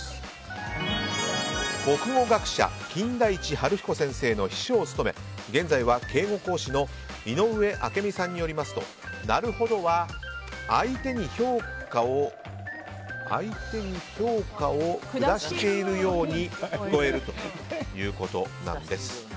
国語学者、金田一春彦先生の秘書を務め現在は敬語講師の井上明美さんによりますとなるほどは相手に評価を下しているように聞こえるということなんです。